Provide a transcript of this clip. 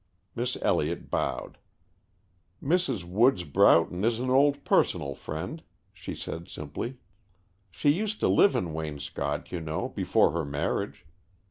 Miss Elliott bowed. "Mrs. Woods Broughton is an old personal friend," she said simply. "She used to live in Waynscott, you know, before her marriage.